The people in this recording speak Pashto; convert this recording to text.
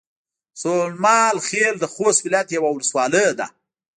سومال خيل د خوست ولايت يوه ولسوالۍ ده